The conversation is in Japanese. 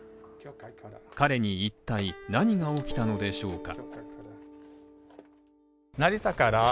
彼に一体何が起きたのでしょうか？